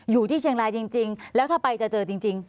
อยู่ที่เชียงรายจริงแล้วถ้าไปจะเจอจริง